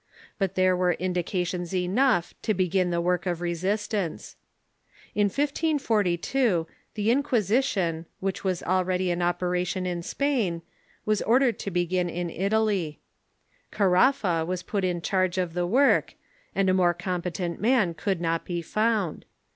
But there were indications enough to begin the work of resistance. In 1542 tlie Inquisition, which Avas Protestantism ^^^'cady in oi^eration in S^min, was ordered to be gin in Italy. Caraffa was put in charge of the work, and a more competent man could not be found.